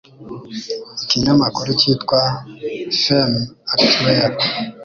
Ikinyamakuru cyitwa femme actuelle